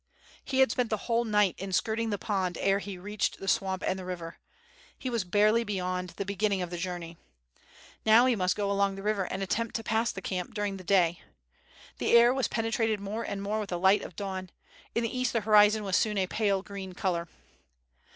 He had spent the whole night in skirting the po^nd ere he reached the swamp and the river. He was barely beyond the beginning of the journey. Now he must ^o along the river and attempt to pass the camp during the day. The air was pentrated more and more with the light of dawn. In the east the horizon was soon a pale green color.